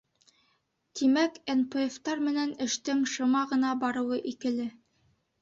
Тимәк, НПФ-тар менән эштең шыма ғына барыуы икеле.